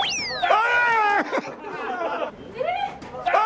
ああ。